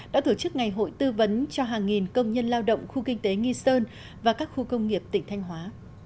đã tổ chức ngày hội tư vấn cho hàng nghìn công nhân lao động khu kinh tế nghi sơn và các khu công nghiệp tỉnh thanh hóa